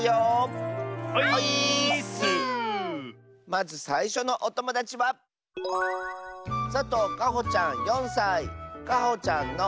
まずさいしょのおともだちはかほちゃんの。